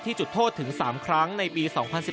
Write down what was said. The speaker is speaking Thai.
จุดโทษถึง๓ครั้งในปี๒๐๑๘